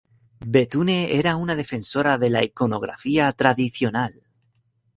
Bethune era una defensora de la iconografía tradicional.